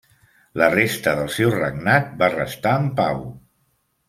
La resta del seu regnat va restar en pau.